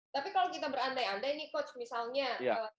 tapi kalau kita berantai antai nih coach misalnya